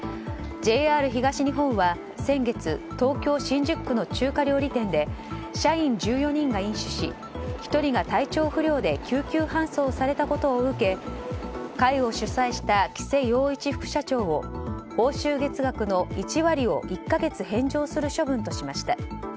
ＪＲ東日本は先月東京・新宿区の中華料理店で社員１４人が飲酒し１人が体調不良で救急搬送されたことを受け会を主催した喜勢陽一副社長を報酬月額の１割を１か月返上する処分としました。